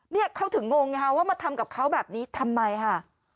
เนี่ยเขาถึงงงไงฮะว่ามาทำกับเขาแบบนี้ทำไมค่ะ